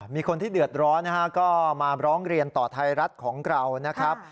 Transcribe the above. มีคนที่เดือดร้อนนะฮะก็มาร้องเรียนต่อไทยรัฐของเรานะครับ